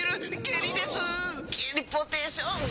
ゲリポーテーション。